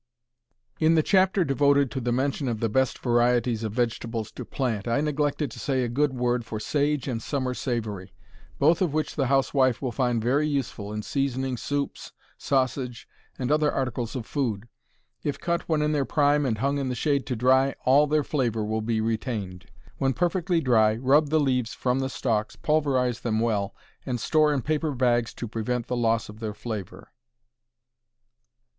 In the chapter devoted to the mention of the best varieties of vegetables to plant, I neglected to say a good word for sage and summer savory, both of which the housewife will find very useful in seasoning soups, sausage, and other articles of food. If cut when in their prime and hung in the shade to dry, all their flavor will be retained. When perfectly dry, rub the leaves from the stalks, pulverize them well, and store in paper bags to prevent the loss of their flavor.